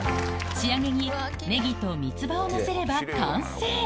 仕上げにネギと三つ葉をのせれば完成！